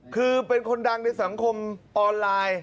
คือเป็นคนดังในสังคมออนไลน์